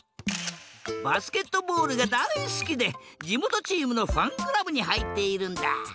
バスケットボールがだいすきでじもとチームのファンクラブにはいっているんだ。